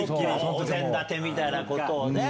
お膳立てみたいなことをね。